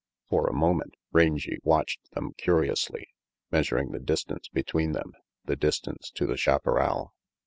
For a moment Rangy watched them curiously, measuring the distance between them, the distance to the chaparral.